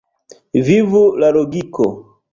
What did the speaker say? Vivu la logiko!